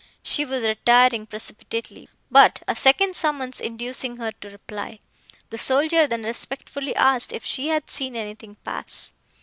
She was retiring precipitately, but, a second summons inducing her to reply, the soldier then respectfully asked if she had seen anything pass.